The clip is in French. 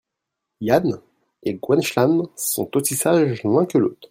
Yann et Gwenc'hlan sont aussi sages l'un que l'autre.